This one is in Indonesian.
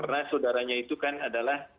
karena saudaranya itu kan adalah